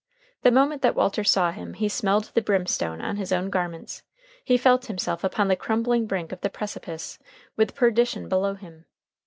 The moment that Walter saw him he smelled the brimstone on his own garments, he felt himself upon the crumbling brink of the precipice, with perdition below him.